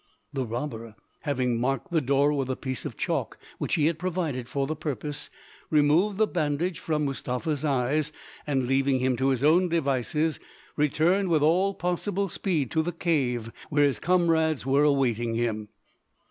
The robber, having marked the door with a piece of chalk which he had provided for the purpose, removed the bandage from Mustapha's eyes, and leaving him to his own devices returned with all possible speed to the cave where his comrades were awaiting him.